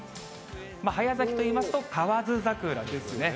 早咲きといいますと、河津桜ですね。